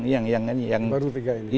baru tiga ini